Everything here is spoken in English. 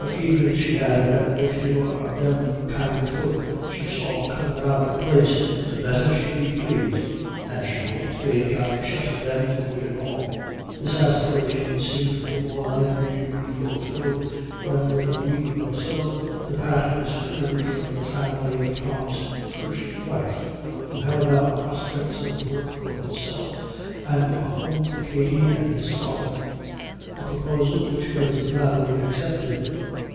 But even she added that the fewer of them kind of folks she saw comin' about the place, the better she'd be pleased, and she hoped they'd got shut of them for good and all. This aspiration seemed the more likely to be fulfilled, when within a week or so the Patmans heard from the family of Tom's first wife, who held out prospects of work for himself, and a home for Katty and his father a proposal which was gladly accepted.